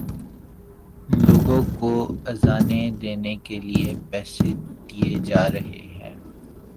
لوگوں کو اذانیں دینے کے لیے پیسے دیے جا رہے ہیں۔